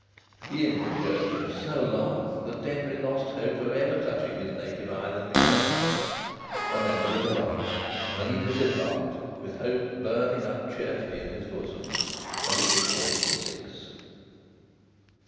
The inward journey was so long that Denry lost hope of ever touching his native island again. And then there was a bump. And he disembarked, with hope burning up again cheerfully in his bosom. And it was a quarter to six.